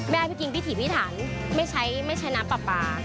แม่พี่กิ้งพิธีพิธันไม่ใช้น้ำปลา